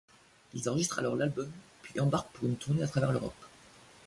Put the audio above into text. Ils enregistrent alors l'album ', puis embarquent pour une tournée à travers l'Europe.